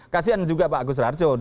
kasihan juga pak agus raharjo